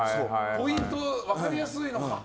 ポイント、分かりやすいのか。